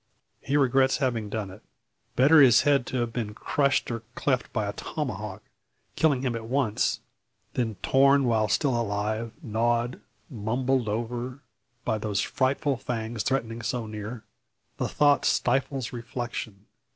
He regrets having done it. Better his head to have been crushed or cleft by a tomahawk, killing him at once, than torn while still alive, gnawed, mumbled over, by those frightful fangs threatening so near! The thought stifles reflection.